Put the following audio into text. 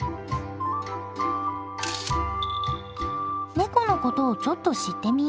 ネコのことをちょっと知ってみよう。